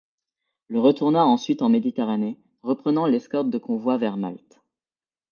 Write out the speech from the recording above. Le retourna ensuite en Méditerranée reprenant l'escorte de convois vers Malte.